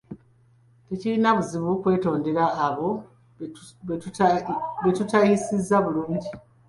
Tekirina buzibu okwetondera abo be tutayisizza bulungi.